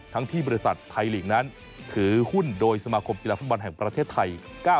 ที่บริษัทไทยลีกนั้นถือหุ้นโดยสมาคมกีฬาฟุตบอลแห่งประเทศไทย